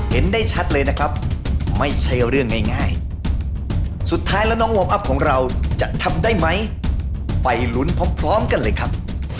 เห็นได้ชัดเลยนะครับไม่ใช่เรื่องง่ายสุดท้ายแล้วน้องวอร์มอัพของเราจะทำได้ไหมไปลุ้นพร้อมกันเลยครับ